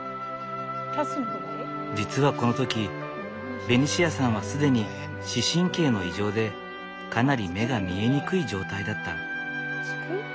実はこの時ベニシアさんは既に視神経の異常でかなり目が見えにくい状態だった。